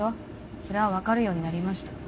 それは分かるようになりました